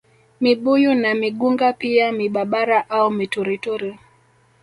Mibuyu na migunga pia mibabara au miturituri